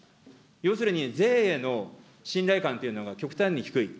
要するに、税への信頼感というのが極端に低い。